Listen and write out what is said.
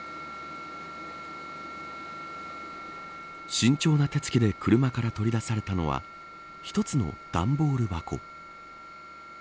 慎重な手つきで車から取り出されたのは１つの段ボール箱。